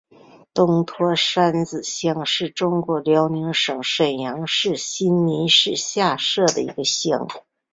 东蛇山子乡是中国辽宁省沈阳市新民市下辖的一个乡。